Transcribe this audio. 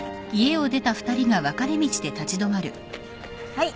はい。